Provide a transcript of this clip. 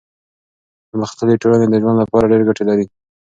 پرمختللي ټولنې د ژوند لپاره ډېر ګټې لري.